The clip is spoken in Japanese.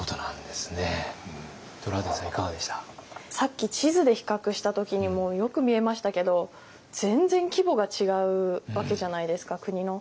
さっき地図で比較した時にもよく見えましたけど全然規模が違うわけじゃないですか国の。